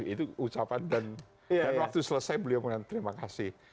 itu ucapan dan waktu selesai beliau mengatakan terima kasih